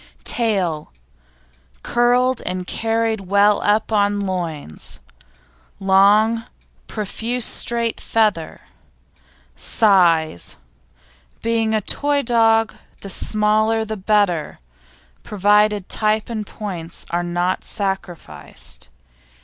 TAIL Curled and carried well up on loins; long, profuse straight feather. SIZE Being a toy dog the smaller the better, provided type and points are not sacrificed.